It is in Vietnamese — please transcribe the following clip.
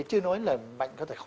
chưa nói là bệnh có thể khỏi bệnh